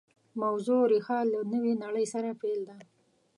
موضوع ریښه له نوې نړۍ سره پیل ده